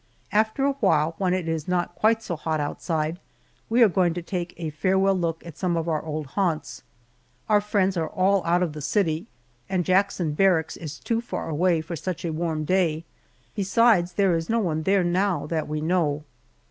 After a while, when it is not quite so hot outside, we are going out to take a farewell look at some of our old haunts. Our friends are all out of the city, and Jackson Barracks is too far away for such a warm day besides, there is no one there now that we know.